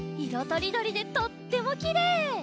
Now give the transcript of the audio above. とりどりでとってもきれい！